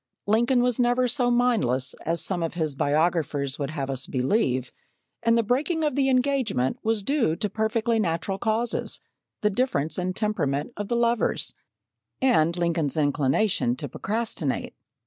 Lincoln was never so mindless as some of his biographers would have us believe, and the breaking of the engagement was due to perfectly natural causes the difference in temperament of the lovers, and Lincoln's inclination to procrastinate.